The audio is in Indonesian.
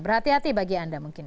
berhati hati bagi anda mungkin